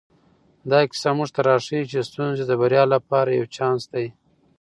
دا کیسه موږ ته راښيي چې ستونزې د بریا لپاره یو چانس دی.